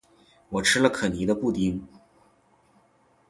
我吃了可妮的布丁